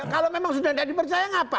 kalau memang sudah tidak dipercaya ngapain